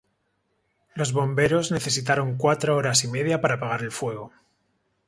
Los bomberos necesitaron cuatro horas y media para apagar el fuego.